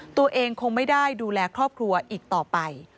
ตัวเองคงไม่ได้ดูแลครอบครัวอีกต่อไป